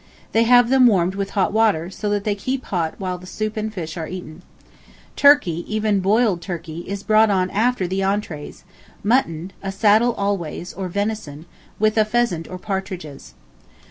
They have [them] warmed with hot water, so that they keep hot while the soup and fish are eaten. Turkey, even boiled turkey, is brought on after the entrées, mutton (a saddle always) or venison, with a pheasant or partridges.